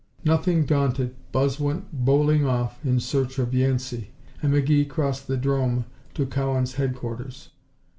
Nothing daunted, Buzz went bowling off in search of Yancey, and McGee crossed the 'drome to Cowan's headquarters.